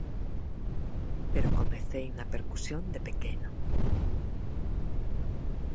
Pero comecei na percusión, de pequeno.